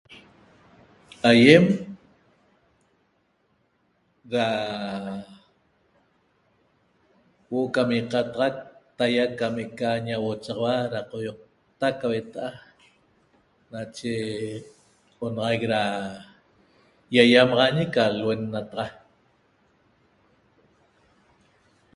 Aýem da huo'o cam iqataxat taia cam eca ñauochaxaua da qoýoqta ca hueta'a nache onaxaic da ýaýamaxaañi ca luennataxa